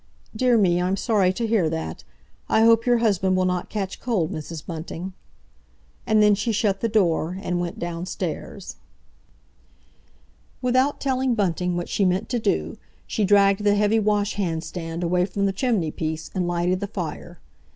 "Dear me—I'm sorry to hear that! I hope your husband will not catch cold, Mrs. Bunting." And then she shut the door, and went downstairs. Without telling Bunting what she meant to do, she dragged the heavy washhand stand away from the chimneypiece, and lighted the fire.